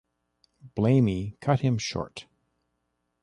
Blamey cut him short.